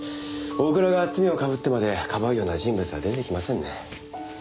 大倉が罪を被ってまでかばうような人物は出てきませんね。